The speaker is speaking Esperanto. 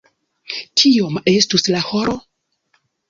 Kioma estas la horo?